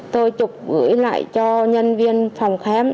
tôi chụp gửi lại cho nhân viên phòng khám